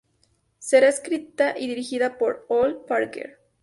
Será escrita y dirigida por Ol Parker.